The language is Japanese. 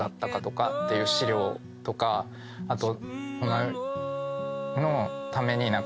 あと。